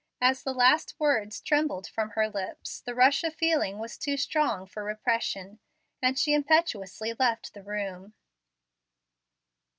As the last words trembled from her lips the rush of feeling was too strong for repression, and she impetuously left the room.